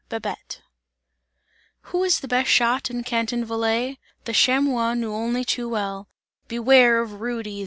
BABETTE. Who is the best shot in Canton Valais? The chamois knew only too well: "Beware of Rudy!"